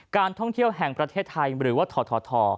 การท่องเที่ยวแห่งประเทศไทยหรือว่าทท